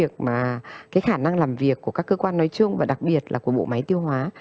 cái khả năng làm việc của các cơ quan nói chung và đặc biệt là của bộ máy tiêu hóa